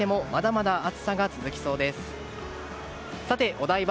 お台場